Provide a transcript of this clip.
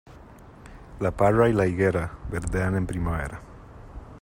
La parra y la higuera, verdean en primavera.